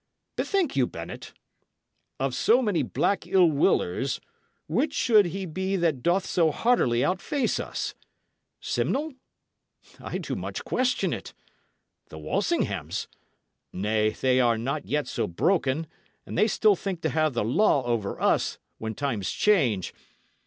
Bethink you, Bennet. Of so many black ill willers, which should he be that doth so hardily outface us? Simnel? I do much question it. The Walsinghams? Nay, they are not yet so broken; they still think to have the law over us, when times change.